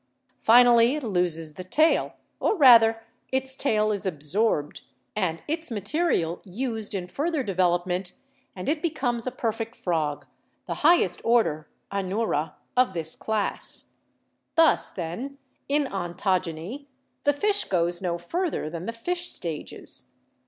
Finally, it loses the tail, or rather its tail is absorbed and its material used in further development, and it becomes a perfect frog, the highest order (anoura) of this class. 'Thus, then, in ontogeny the fish goes no further than the fish stages.